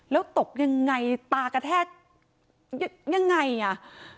แล้วตกยังไงตากระแทกยังไงอ่ะ